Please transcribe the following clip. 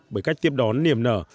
bởi cách tiếp đón niềm nở